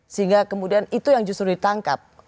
sehingga kemudian itu yang justru ditangkap